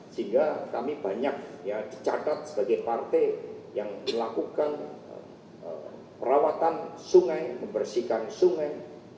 sehingga kami banyak dicatat sebagai partai yang melakukan perawatan sungai membersihkan sungai